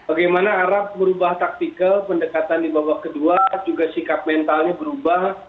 bagaimana arab merubah taktikal pendekatan di bawah kedua juga sikap mentalnya berubah